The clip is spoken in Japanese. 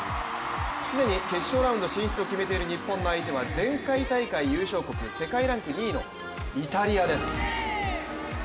既に決勝ラウンド進出を決めている日本の相手は前回大会優勝国世界ランク２位のイタリアです。